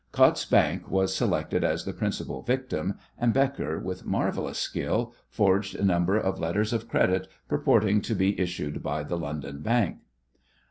Coutts's Bank was selected as the principal victim, and Becker, with marvellous skill, forged a number of letters of credit purporting to be issued by the London bank.